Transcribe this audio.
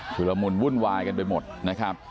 ละมุนวุ่นวายกันไปหมดนะครับ